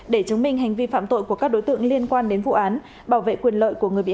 để chứng minh hành vi phạm tội của các đối tượng liên quan đến vụ án bảo vệ quyền lợi của người bị